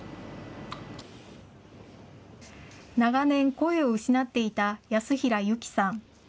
長年、声を失っていた安平有希さん。